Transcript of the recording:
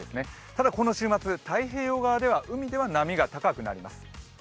ただこの週末、太平洋側では海では波が高くなります。